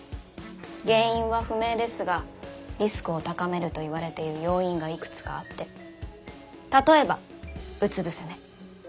原因は不明ですがリスクを高めるといわれている要因がいくつかあって例えばうつ伏せ寝。